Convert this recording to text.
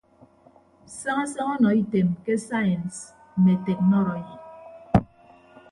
Saña saña ọnọ item ke sains mme teknọrọyi.